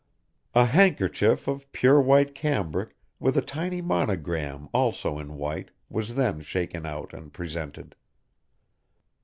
A handkerchief of pure white cambric with a tiny monogram also in white was then shaken out and presented.